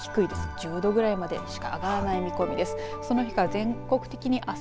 １０度ぐらいまでしか上がらない見込みです。